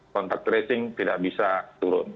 kontak tracing tidak bisa turun